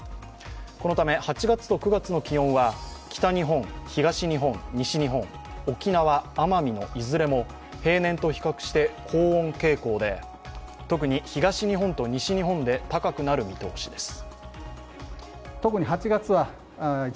このため８月と９月の気温は北日本、東日本、西日本、沖縄、奄美のいずれも平年と比較して高温傾向で特に東日本と西日本で高くなる見通しです。